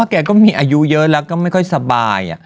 แกก็มีอายุเยอะแล้วก็ไม่ค่อยสบาย